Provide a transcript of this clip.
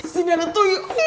sini ada tuyul